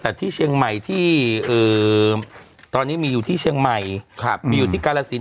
แต่ที่เชียงใหม่ที่ตอนนี้มีอยู่ที่เชียงใหม่มีอยู่ที่กาลสิน